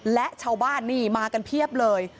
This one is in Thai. และชาวบ้านนี่มากันเพียบเลย